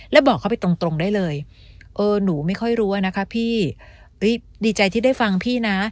แล้วบอกเขาไปตรงตรงได้เลยเออหนูไม่ค่อยรู้อะนะคะพี่ดีใจที่ได้ฟังพี่นะ